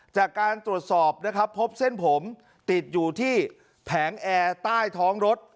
จากการตรวจสอบนะครับพบเส้นผมติดอยู่ที่แผงแอร์ใต้ท้องรถ